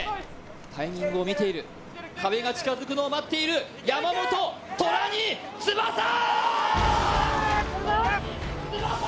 タイミングを見ている、壁が近づくのを待っている山本、虎に翼を。